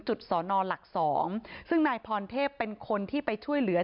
สอนอหลักสองซึ่งนายพรเทพเป็นคนที่ไปช่วยเหลือ